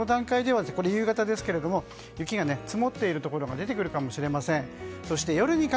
この段階ではこれは夕方ですけれども雪が積もっているところが出てくるかもしれません。